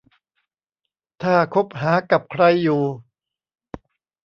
ถ้าคบหากับใครอยู่